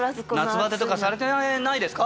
夏バテとかされてないですか？